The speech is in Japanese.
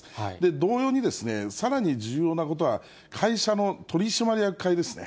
同様に、さらに重要なことは、会社の取締役会ですね。